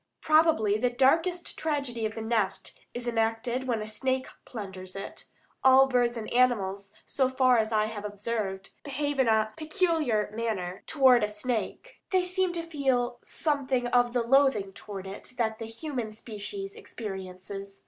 Probably the darkest tragedy of the nest is enacted when a snake plunders it. All birds and animals, so far I have observed, behave in a peculiar manner toward a snake. They seem to feel something of the loathing toward it that the human species experiences.